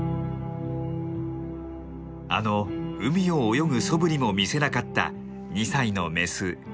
あの海を泳ぐそぶりも見せなかった２歳のメスエリーです。